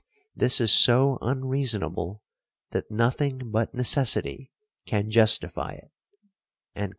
This is so unreasonable that nothing but necessity can justify it" .